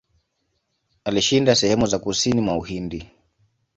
Alishinda sehemu za kusini mwa Uhindi.